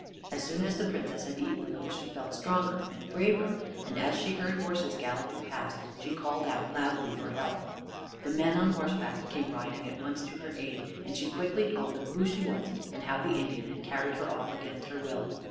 As soon as the Princess had eaten a little she felt stronger and braver, and as she heard horses galloping past, she called out loudly for help. The men on horseback came riding at once to her aid, and she quickly told them who she was, and how the Indian had carried her off against her will.